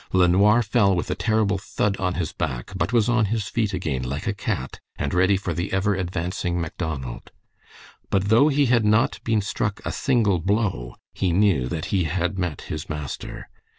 LeNoir fell with a terrible thud on his back, but was on his feet again like a cat and ready for the ever advancing Macdonald. But though he had not been struck a single blow he knew that he had met his master.